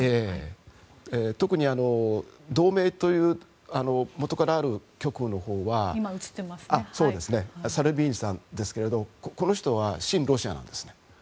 特に、同盟というもとからある極右のほうはサルビーニさんですけどこの人は親ロシアなんですね。